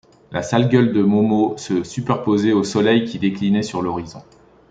La sale gueule de Momo se superposait au soleil qui déclinait sur l’horizon.